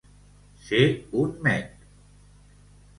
Ser un met.